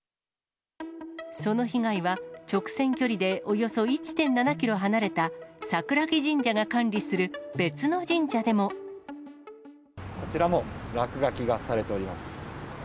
その被害は、直線距離でおよそ１．７キロ離れた櫻木神社が管理する別の神社でこちらも落書きがされております。